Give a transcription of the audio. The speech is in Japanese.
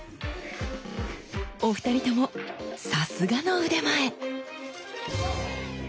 お二人ともさすがの腕前！